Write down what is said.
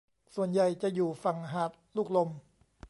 ส่วนใหญ่จะอยู่ฝั่งหาดลูกลม